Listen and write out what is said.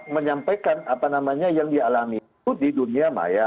menyampaikan apa namanya yang dialami itu di dunia maya